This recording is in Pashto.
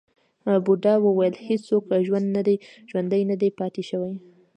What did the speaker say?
بوډا وویل هیڅوک ژوندی نه دی پاتې شوی.